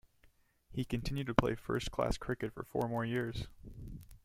He continued to play first class cricket for four more years.